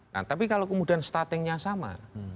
nah tapi kalau kemudian startingnya sama